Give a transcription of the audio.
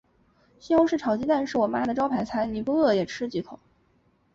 西红柿炒鸡蛋是我妈的招牌菜，你不饿也吃几口。